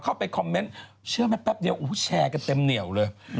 เข้าไปคอมเมนต์เชื่อไหมแป๊บเดียวแชร์กันเต็มเหนียวเลย